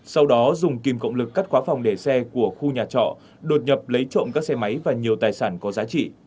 sau đó dùng kìm cộng lực cắt khóa phòng để xe của khu nhà trọ đột nhập lấy trộm các xe máy và nhiều tài sản có giá trị